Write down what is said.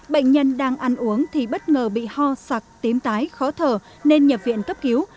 bệnh nhân đang ăn uống thì bất ngờ bị ho sặc tím tái khó thở nên nhập viện cấp cứu